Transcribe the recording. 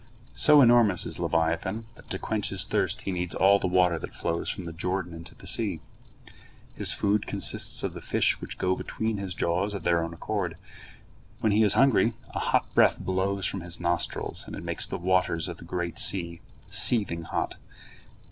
So enormous is leviathan that to quench his thirst he needs all the water that flows from the Jordan into the sea. His food consists of the fish which go between his jaws of their own accord. When he is hungry, a hot breath blows from his nostrils, and it makes the waters of the great sea seething hot.